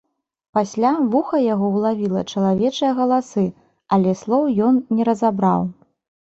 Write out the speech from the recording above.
Пасля вуха яго ўлавіла чалавечыя галасы, але слоў ён не разабраў.